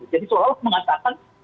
jadi seolah olah mengatakan